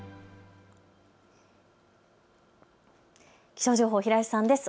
気象情報、平井さんです。